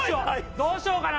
どうしようかな？